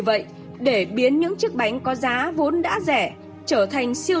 vậy để biến những chiếc bánh có giá vốn đã rẻ trở thành siêu